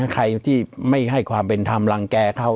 ใครที่ไม่ให้ความเป็นธรรมรังแก่เขา